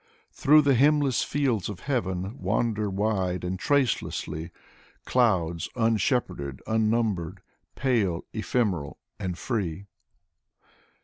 Through the hemless fields of heaven Wander wide and tracelessly Clouds, unshepherded, unnumbered. Pale, ephemeral and free.